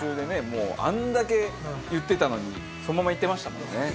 もうあんだけ言ってたのにそのままいってましたもんね。